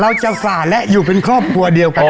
ฝ่าและอยู่เป็นครอบครัวเดียวกัน